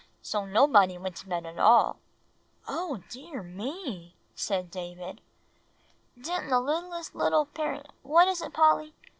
So nobody went to bed at all." "Oh, dear me!" said David. "Didn't the littlest little Peri what is it, Polly?"